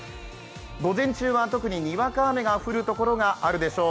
午前中は特ににわか雨が降るところがあるでしょう。